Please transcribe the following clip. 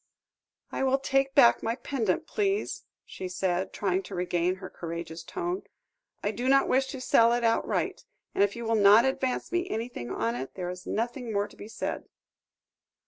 "I will take back my pendant, please," she said, trying to regain her courageous tone. "I do not wish to sell it outright, and if you will not advance me anything on it, there is nothing more to be said."